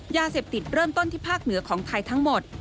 ยาเสพติดเริ่มต้นที่ภาคเหนือของไทยทั้งหมด